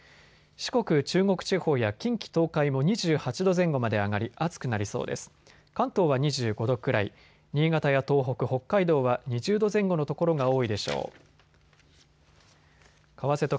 四国、中国地方や近畿、東海も２８度前後まで上がり暑くなりそうです。